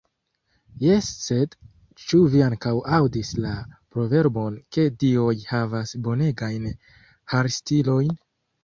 Jes sed, ĉu vi ankaŭ aŭdis la proverbon ke dioj havas bonegajn harstilojn?